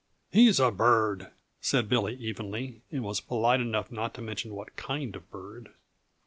"He's a bird," said Billy evenly, and was polite enough not to mention what kind of bird.